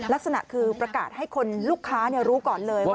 ลักษณะคือประกาศให้คนลูกค้ารู้ก่อนเลยว่า